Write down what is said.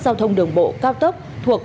giao thông đường bộ cao tốc thuộc